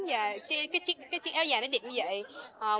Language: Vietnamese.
và cái chiếc áo dài nó đẹp như vậy